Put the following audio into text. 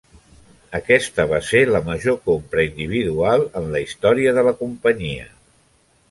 Aquesta va ser la major compra individual en la història de la companyia.